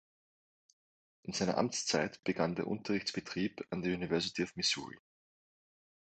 In seiner Amtszeit begann der Unterrichtsbetrieb an der University of Missouri.